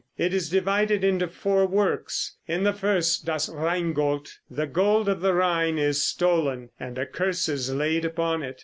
It is divided into four works. In the first, "Das Rheingold," the gold of the Rhine, is stolen, and a curse is laid upon it.